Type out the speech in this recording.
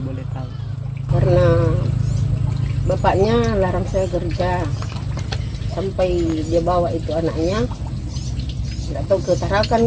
boleh tahu karena bapaknya larang saya kerja sampai dia bawa itu anaknya tarakan